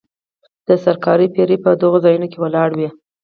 د سرکار پیرې به په دغو ځایونو ولاړې وې.